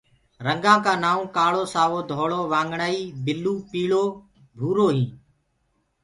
رنگآ ڪآ نآئونٚ ڪآݪو، سآوو، ڌوݪو، وآگڻآئي، بِلوُ، پيٚݪو، ڀُورو وآگڻآئي هينٚ۔